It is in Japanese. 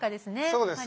そうですか？